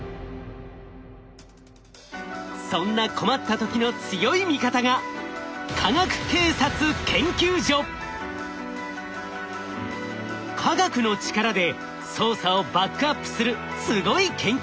そんな困った時の強い味方が科学の力で捜査をバックアップするすごい研究所なんです。